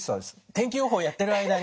天気予報をやってる間に。